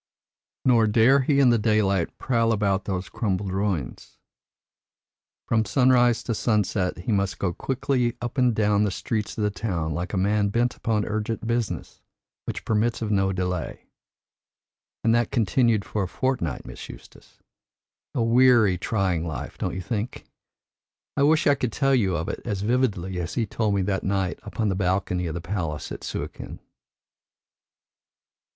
Nor dare he in the daylight prowl about those crumbled ruins. From sunrise to sunset he must go quickly up and down the streets of the town like a man bent upon urgent business which permits of no delay. And that continued for a fortnight, Miss Eustace! A weary, trying life, don't you think? I wish I could tell you of it as vividly as he told me that night upon the balcony of the palace at Suakin."